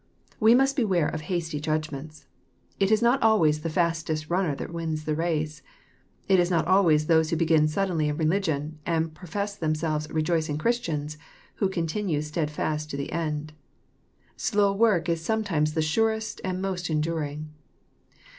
We must beware of hasty Judgments. It is not always the fastest runner that wins the race. It is not always those who begin suddenly in religion, and profess themselves rejoicing Christians, who continue stead fast to the end. Slow work is sometimes the surest and most enduring.